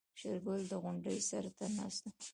شېرګل د غونډۍ سر ته ناست و.